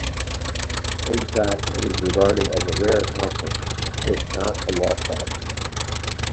In fact it was regarded as a rare accomplishment if not a lost art.